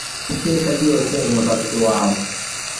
iteka ryose umusatsi wawe